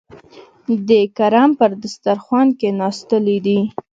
د کرم پر دسترخوان کېناستلي دي.